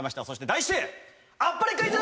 題してあっぱれクイズ！！